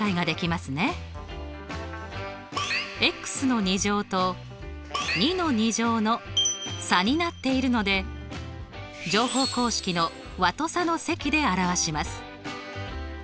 の２乗と２の２乗の差になっているので乗法公式の和と差の積で表します。